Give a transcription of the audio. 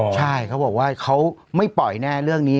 ใช่เขาบอกว่าเขาไม่ปล่อยแน่เรื่องนี้